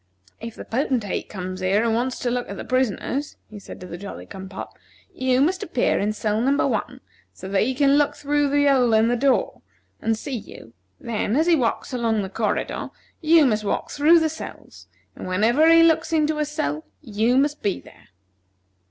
"If the Potentate comes here and wants to look at the prisoners," he said to the Jolly cum pop, "you must appear in cell number One, so that he can look through the hole in the door, and see you; then, as he walks along the corridor, you must walk through the cells, and whenever he looks into a cell, you must be there."